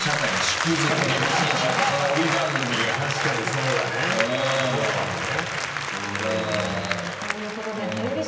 そうかもねうん。ということでテレビ